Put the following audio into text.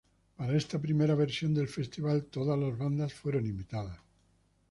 Para esta primera versión del festival todas las bandas fueron invitadas.